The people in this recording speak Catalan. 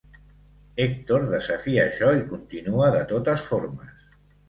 Hector desafia això i continua de totes formes.